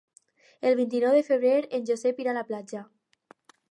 El vint-i-nou de febrer en Josep irà a la platja.